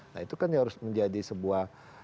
nah itu kan harus menjadi sebuah